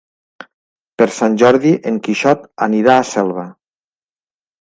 Per Sant Jordi en Quixot anirà a Selva.